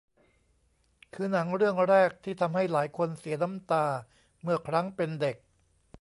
คือหนังเรื่องแรกที่ทำให้หลายคนเสียน้ำตาเมื่อครั้งเป็นเด็ก